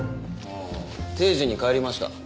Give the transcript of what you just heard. ああ定時に帰りました。